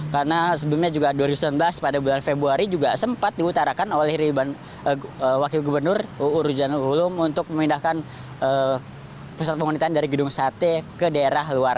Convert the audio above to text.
karena sebelumnya juga dua ribu sembilan belas pada bulan februari juga sempat diutarakan oleh wakil gubernur uru janul hulum untuk memindahkan pusat pengunitian dari gedung sate ke daerah luar